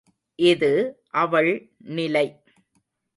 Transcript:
இது அவள் நிலை.